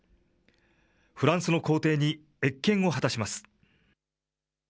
フランスの皇帝に謁見を果たします。